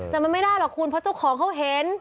แต่มันไม่ได้หรอกคุณเพราะเจ้าของเขาเห็น